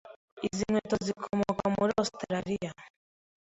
Izi nkweto zikomoka muri Ositaraliya.